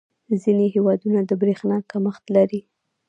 • ځینې هېوادونه د برېښنا کمښت لري.